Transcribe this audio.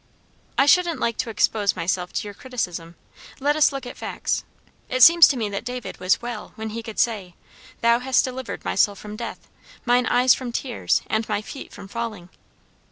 "I shouldn't like to expose myself to your criticism. Let us look at facts. It seems to me that David was 'well' when he could say, 'Thou hast delivered my soul from death, mine eyes from tears, and my feet from falling.'